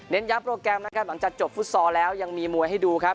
ย้ำโปรแกรมนะครับหลังจากจบฟุตซอลแล้วยังมีมวยให้ดูครับ